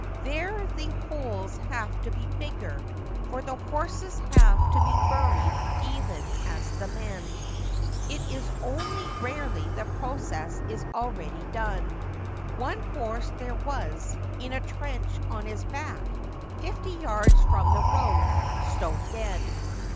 There the holes have to be bigger, for the horses have to be buried even as the men. It is only rarely the process is already done. One horse there was, in a trench on his back, fifty yards from the road, stone dead.